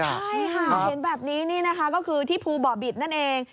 ใช่ค่ะเห็นแบบนี้นี่นะคะก็คือที่ภูบ่อบิตนั่นเอง